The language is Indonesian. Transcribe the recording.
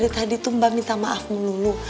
tadi tuh mbak minta maafmu dulu